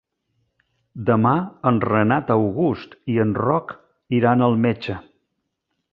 Demà en Renat August i en Roc iran al metge.